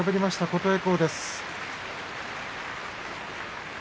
琴恵光です。